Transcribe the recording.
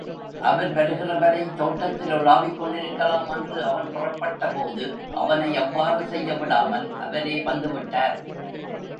அவர் வருகிற வரை தோட்டத்தில் உலாவிக்கொண்டிருக்கலாம் என்று அவன் புறப்பட்டபோது அவனை அவ்வாறு செய்யவிடாமல் அவரே வந்துவிட்டார்.